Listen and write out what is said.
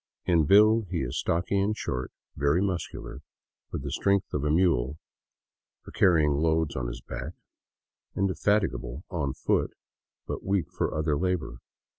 In build he is stocky and short, very muscular, with the strength of a mule for carrying loads on his back, inde fatigable on foot, but weak for other labor.